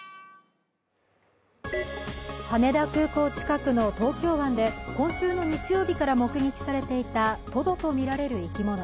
羽田空港近くの東京湾で今週の日曜日から目撃されていたトドとみられる生き物。